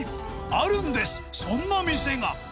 あるんです、そんな店が。